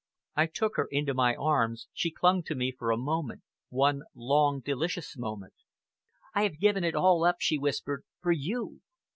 I took her into my arms she clung to me for a moment one long, delicious moment. "I have given it all up," she whispered, "for you!